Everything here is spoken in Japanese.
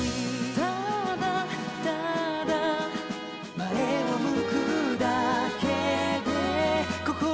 「ただ、ただ」「前を向くだけで心が笑ってる」